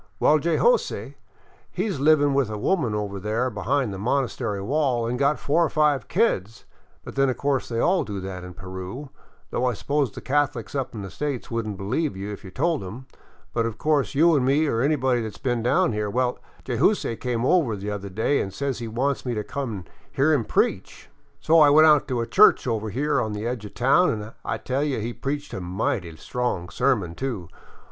Well, Jayzoose — he 's livin' with a woman over there behind the monastery wall an' got four or five kids ; but then of course they all do that in Peru, though I suppose the Catholics up in the States would n't believe you if you told 'em, but of course you 'n me or anybody that 's been down here — well, Jayzoose come over the other day an' says he wants me to come an' hear him preach. So I went out to a church over here on the edge of town an' I tell you he preached a mighty strong sermon, too.